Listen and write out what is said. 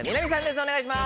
お願いします。